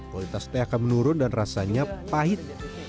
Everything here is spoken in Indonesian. kualitas teh akan menurun dan rasanya pahit